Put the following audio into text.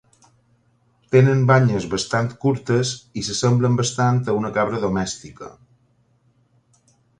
Tenen banyes bastant curtes i s'assemblen bastant a una cabra domèstica.